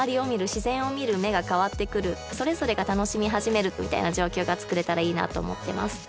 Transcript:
自然を見る目が変わってくるそれぞれが楽しみ始めるみたいな状況がつくれたらいいなと思ってます